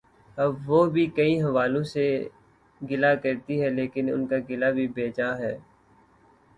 اب وہ بھی کئی حوالوں سے گلہ کرتی ہیں لیکن ان کا گلہ بھی بے جا ہے۔